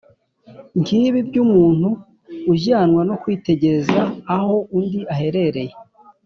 nk’ibi by’umuntu ujyanwa no kwitegereza aho undi aherereye